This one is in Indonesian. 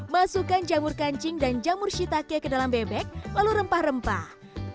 masukkan jamur kancing dan jamur shitake ke dalam bebek lalu rempah rempah